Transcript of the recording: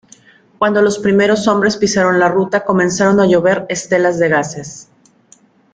Cuando los primeros hombres pisaron la ruta comenzaron a llover estelas de gases.